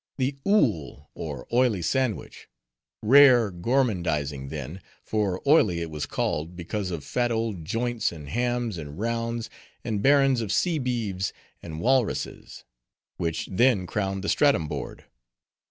"The Ool, or Oily sandwich:—rare gormandizing then; for oily it was called, because of fat old joints, and hams, and rounds, and barons of sea beeves and walrusses, which then crowned the stratum board.